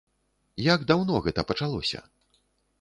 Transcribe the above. Як даўно гэта пачалося?